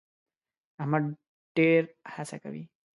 احمد ډېر هڅه کوي.